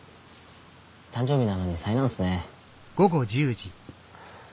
誕生日なのに災難っすね。